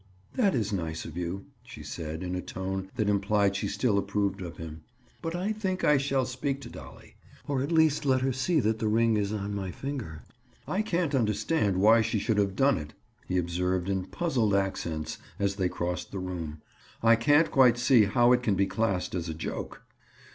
"That is nice of you," she said in a tone that implied she still approved of him. "But I think I shall speak to Dolly. Or, at least, let her see the ring is on my finger." "I can't understand why she should have done it," he observed in puzzled accents as they crossed the room. "I can't quite see how it can be classed as a joke."